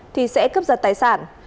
thì sẽ cấp giật tài sản